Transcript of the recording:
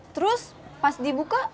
terus pas dibuka